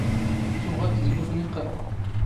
ⵜⵓⵖⴰ ⵜ ⴷⴳ ⵓⴼⵏⵉⵇ ⴰ.